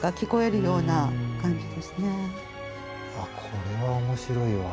これは面白いわ。